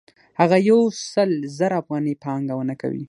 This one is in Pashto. هغه یو سل زره افغانۍ پانګونه کوي